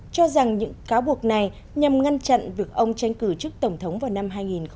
cho rằng những cáo buộc này nhằm ngăn chặn việc ông tranh cử trước tổng thống vào năm hai nghìn một mươi năm